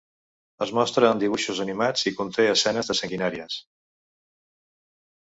Es mostra en dibuixos animats i conté escenes de sanguinàries.